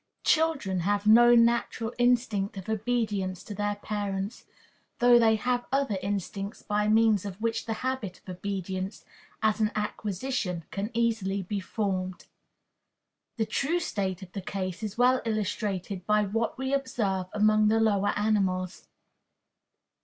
Children have no natural instinct of obedience to their parents, though they have other instincts by means of which the habit of obedience, as an acquisition, can easily be formed. The true state of the case is well illustrated by what we observe among the lower animals.